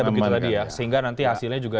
begitu tadi ya sehingga nanti hasilnya juga